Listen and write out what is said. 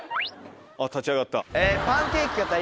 あっ立ち上がった。